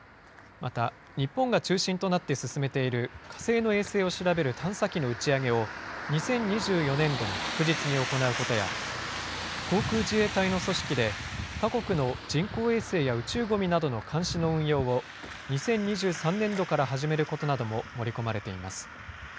また、日本が中心となって進めている火星の衛星を調べる探査機の打ち上げを２０２４年度に確実に行うことや、航空自衛隊の組織で他国の人工衛星や宇宙ごみの監視の運用を、２０２３年度から始めることなども盛り込まれています。